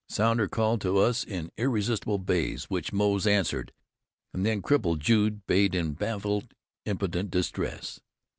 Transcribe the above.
Sounder called to us in irresistible bays, which Moze answered, and then crippled Jude bayed in baffled impotent distress.